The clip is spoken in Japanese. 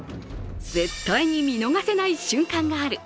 絶対に見逃せない瞬間がある。